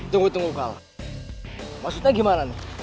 tunggu tunggu kal maksudnya gimana nih